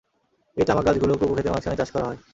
এই তামাক গাছগুলো কোকো খেতের মধ্যখানে চাষ করা হয়।